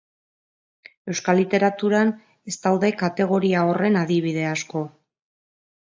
Euskal literaturan ez daude kategoria horren adibide asko.